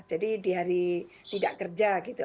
di hari tidak kerja gitu